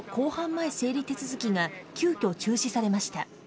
前整理手続きが急きょ中止されました。